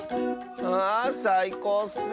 あさいこうッス。